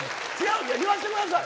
言わせてください。